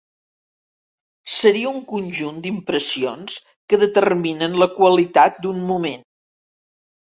Seria un conjunt d'impressions que determinen la qualitat d'un moment.